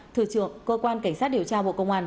thường trưởng cơ quan cảnh sát điều tra bộ công an